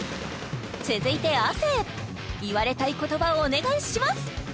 続いて亜生言われたい言葉をお願いします